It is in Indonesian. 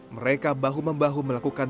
mereka bahu membahu melakukan